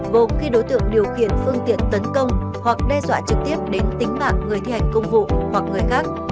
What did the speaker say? gồm khi đối tượng điều khiển phương tiện tấn công hoặc đe dọa trực tiếp đến tính mạng người thi hành công vụ hoặc người khác